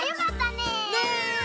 ねえ。